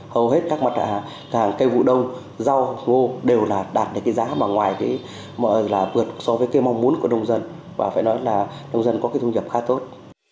hầu hết các mặt hàng cây vụ đông rau ngô đều là đạt được cái giá mà ngoài là vượt so với cái mong muốn của nông dân và phải nói là nông dân có cái thu nhập khá tốt